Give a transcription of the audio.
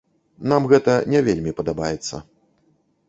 Нам гэта не вельмі падабаецца.